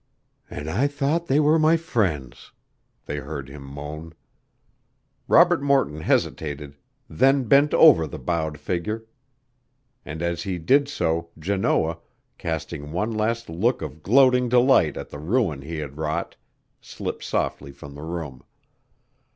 "An' I thought they were my friends," they heard him moan. Robert Morton hesitated, then bent over the bowed figure, and as he did so Janoah, casting one last look of gloating delight at the ruin he had wrought, slipped softly from the room.